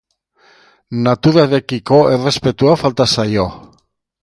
Naturarekiko errespetua falta zaio.